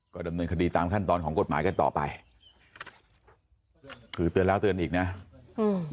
ก็ดำเนินคดีตามขั้นตอนของกฎหมายกันต่อไปคือเตือนแล้วเตือนอีกนะอืม